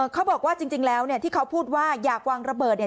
เขาบอกว่าจริงแล้วที่เขาพูดว่าอยากวางระเบิด